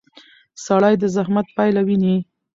سړی د زحمت پایله ویني